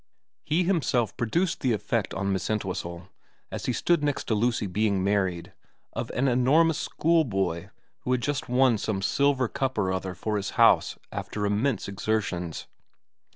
He himself produced the effect on Miss Entwhistle, as he stood next to Lucy being married, of an enormous schoolboy who has just won some silver cup or other for his House after immense exertions.